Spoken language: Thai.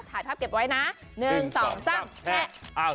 ถ่ายภาพเก็บไว้นะ๑๒๓แทะ